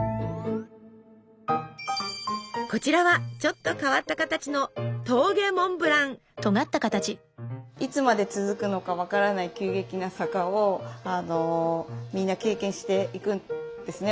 こちらはちょっと変わった形のいつまで続くのか分からない急激な坂をみんな経験していくんですね。